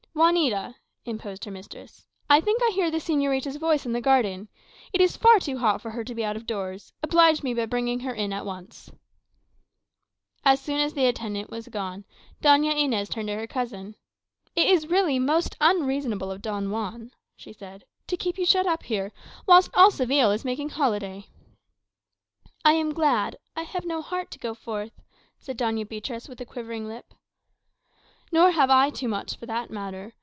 "Juanita," interposed her mistress, "I think I hear the señorita's voice in the garden. It is far too hot for her to be out of doors. Oblige me by bringing her in at once." As soon as the attendant was gone, Doña Inez turned to her cousin. "It is really most unreasonable of Don Juan," she said, "to keep you shut up here, whilst all Seville is making holiday." "I am glad I have no heart to go forth," said Doña Beatriz, with a quivering lip. "Nor have I too much, for that matter.